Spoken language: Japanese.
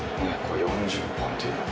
４０本というのは？